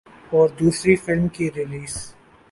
اور دوسری فلم کی ریلیز